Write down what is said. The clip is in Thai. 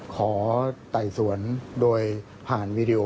ไต่สวนโดยผ่านวีดีโอ